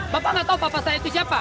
bapak gak tau bapak saya itu siapa